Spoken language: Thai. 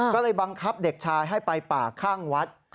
ก็เลยบังคับเด็กชายให้ไปป่าข้างวัด